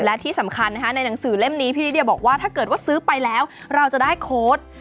และที่สำคัญในหนังสือเล่มนี้พี่ลิเดียบอกว่าถ้าเกิดว่าซื้อไปแล้วเราจะได้โค้ด